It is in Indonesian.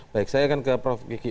baik saya akan ke prof kiki